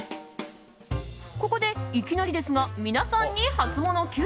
ここで、いきなりですが皆さんにハツモノＱ！